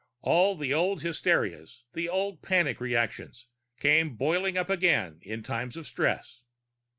All the old hysterias, the old panic reactions, come boiling up again in times of stress.